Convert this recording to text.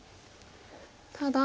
ただ。